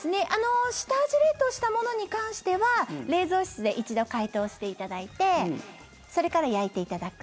下味冷凍したものに関しては冷蔵室で一度解凍していただいてそれから焼いていただく。